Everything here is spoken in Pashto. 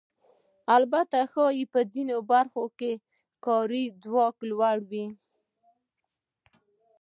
البته ښایي په ځینو برخو کې کاري ځواک لوړ وي